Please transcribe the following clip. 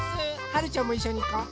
はるちゃんもいっしょにいこう。